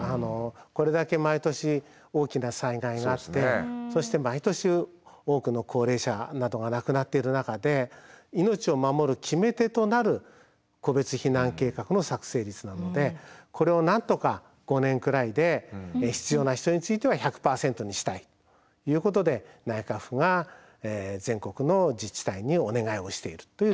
これだけ毎年大きな災害があってそして毎年多くの高齢者などが亡くなっている中で命を守る決め手となる個別避難計画の作成率なのでこれをなんとか５年くらいで必要な人については１００パーセントにしたいということで内閣府が全国の自治体にお願いをしているという状況です。